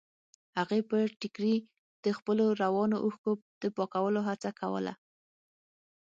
هغې په ټيکري د خپلو روانو اوښکو د پاکولو هڅه کوله.